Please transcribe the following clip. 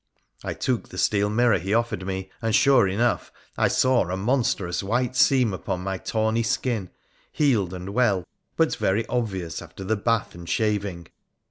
I took the steel mirror he offered me, and, sure enough, I saw a monstrous white seam upon my tawny skin, healed and well, but very obvious after the bath and shaving.